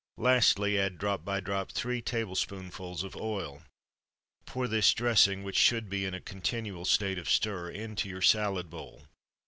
] Lastly, add, drop by drop, three tablespoonfuls of oil. Pour this dressing (which should be in a continual state of stir) into your salad bowl.